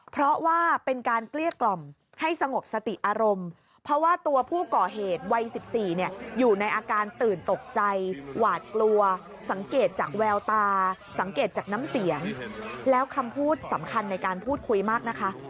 เพราะว่าเป็นการเกลี้ยกล่อมให้สงบสติอารมณ์เพราะว่าตัวผู้ก่อเหตุวัย๑๔อยู่ในอาการตื่นตกใจหวาดกลัวสังเกตจากแววตาสังเกตจากน้ำเสียงแล้วคำพูดสำคัญในการพูดคุยมากนะคะ